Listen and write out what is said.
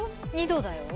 ２度だよ。